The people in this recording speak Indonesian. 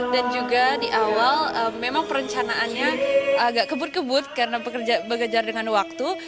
dan juga di awal memang perencanaannya agak kebut kebut karena bekerja dengan waktu